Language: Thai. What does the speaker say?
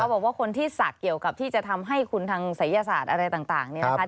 บอกว่าคนที่ศักดิ์เกี่ยวกับที่จะทำให้คุณทางศัยศาสตร์อะไรต่างเนี่ยนะคะ